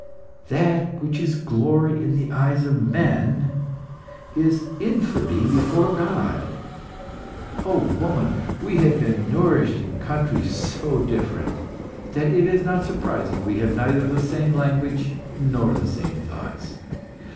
"That which is glory in the eyes of men, is infamy before God. O woman, we have been nourished in countries so different, that it is not surprising we have neither the same language nor the same thoughts!